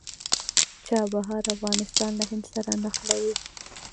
چابهار افغانستان له هند سره نښلوي